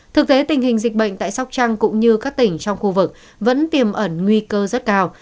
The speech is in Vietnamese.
thực tế tình hình dịch bệnh tại sóc trăng cũng như các tỉnh trong khu vực vẫn tiềm ẩn nguy cơ rất cao